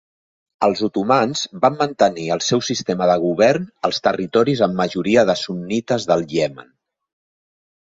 Els otomans van mantenir el seu sistema de govern als territoris amb majoria de sunnites del Iemen.